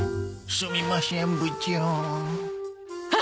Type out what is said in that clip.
すみましぇん部長。